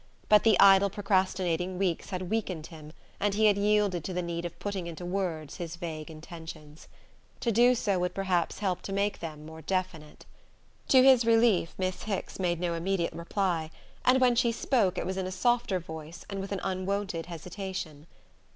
But the idle procrastinating weeks had weakened him and he had yielded to the need of putting into words his vague intentions. To do so would perhaps help to make them more definite. To his relief Miss Hicks made no immediate reply; and when she spoke it was in a softer voice and with an unwonted hesitation.